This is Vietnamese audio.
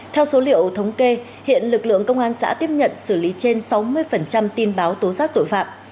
theo số liệu thống kê hiện lực lượng công an xã tiếp nhận xử lý trên sáu mươi tin báo tố giác tội phạm